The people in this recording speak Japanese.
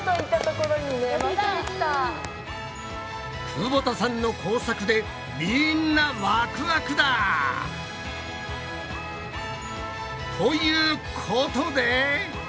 久保田さんの工作でみんなワクワクだ！ということで！